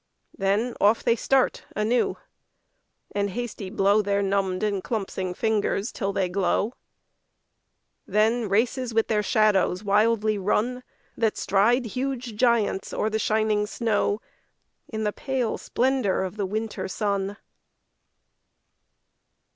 Then off they start anew and hasty blow Their numbed and clumpsing fingers till they glow; Then races with their shadows wildly run That stride huge giants o'er the shining snow In the pale splendour of the winter sun.